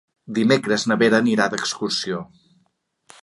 Dimecres na Vera anirà d'excursió.